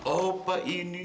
oh pak ini